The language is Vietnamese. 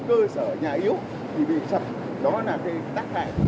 cơ sở nhà yếu thì bị sập đó là cái tác hại